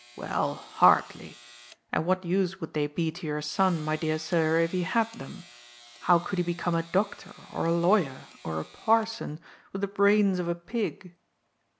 " Well, hardly. And what use would they be to your son, my dear sir, if he had them ? How could he become a doctor or a lawyer or a parson, with the brains of a pig